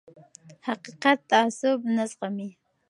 حقیقت تعصب نه زغمي